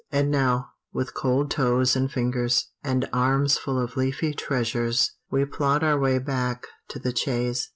And now, with cold toes and fingers, and arms full of leafy treasures, we plod our way back to the chaise.